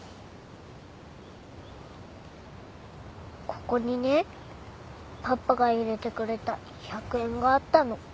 ここにねパパが入れてくれた１００円があったの。